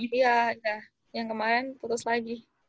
iya udah yang kemaren putus lagi